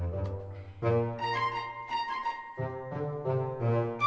siapa yang mau bayar